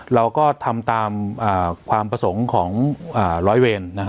เราก็ทำตามความประสงค์ของร้อยเวร